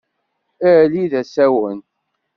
Ali d asawen.